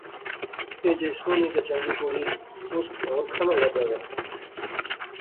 ایہہ جئی سوہنی تے چنگی کڑی اس ہور کھاناں لبے وا